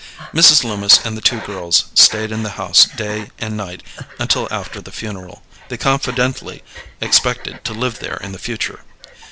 Mrs. Loomis and the two girls stayed in the house day and night until after the funeral. They confidently expected to live there in the future.